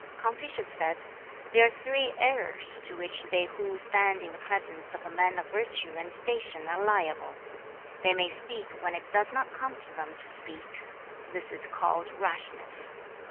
Confucius said, 'There are three errors to which they who stand in the presence of a man of virtue and station are liable. They may speak when it does not come to them to speak; this is called rashness.